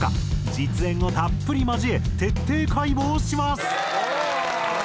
実演をたっぷり交え徹底解剖します！